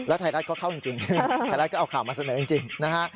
ไทยรัฐก็เข้าจริงไทยรัฐก็เอาข่าวมาเสนอจริงนะฮะ